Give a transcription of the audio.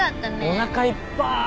おなかいっぱい。